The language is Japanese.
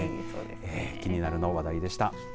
キニナル！の話題でした。